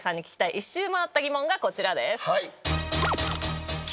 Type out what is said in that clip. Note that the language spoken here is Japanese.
１周回った疑問がこちらです。